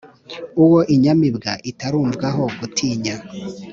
Uwo inyamibwa itarumvwaho gutinya,